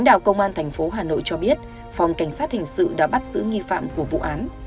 đạo công an thành phố hà nội cho biết phòng cảnh sát hình sự đã bắt giữ nghi phạm của vụ án